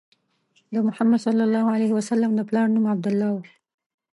محمد صلی الله علیه وسلم د پلار نوم عبدالله و.